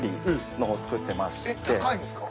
高いんすか？